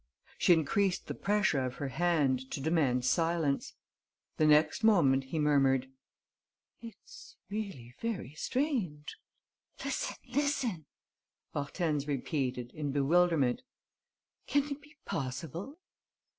She increased the pressure of her hand, to demand silence. The next moment, he murmured: "It's really very strange." "Listen, listen!" Hortense repeated, in bewilderment. "Can it be possible?"